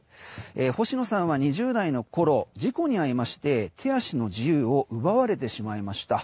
星野さんは２０代のころ事故に遭いまして手足の自由を奪われてしまいました。